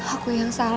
aku yang salah mas